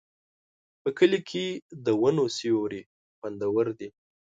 په کلي کې د ونو سیوري خوندور دي.